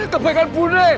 kebaikan bu ne